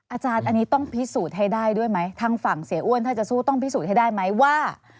อาจารย์อันนี้ต้องพิสูจน์ให้ได้ด้วยไหมทางฝั่งเสียอ้วนถ้าจะสู้ต้องพิสูจน์ให้ได้ไหมว่า